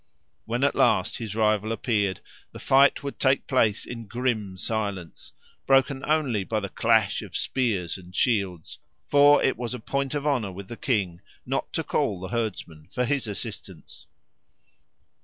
When at last his rival appeared, the fight would take place in grim silence, broken only by the clash of spears and shields, for it was a point of honour with the king not to call the herdsmen to his assistance.